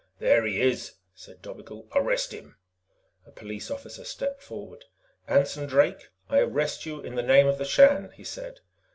"There he is," said Dobigel. "Arrest him!" A police officer stepped forward. "Anson Drake, I arrest you in the name of the Shan," he said.